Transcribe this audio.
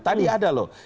tadi ada loh